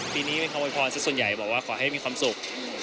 ปีนี้คำโยพรสิทธิ์ส่วนใหญ่บอกว่าขอให้มีความสุข